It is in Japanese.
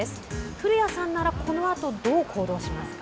古谷さんならこのあと、どう行動しますか？